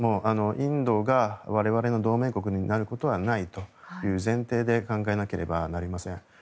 インドが我々の同盟国になることはないという前提で考えなければなりません。